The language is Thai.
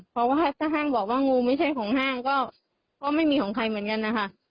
เพราะว่าถ้าห้างบอกว่างูไม่ใช่ของห้างก็ไม่มีของใครเหมือนกันนะคะ